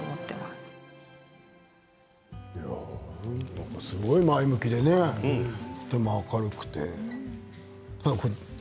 なんかすごい前向きでねでも明るくて。